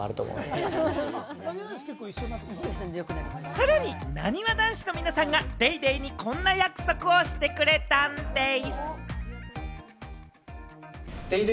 さらに、なにわ男子の皆さんが『ＤａｙＤａｙ．』にこんな約束をしてくれたんでぃす！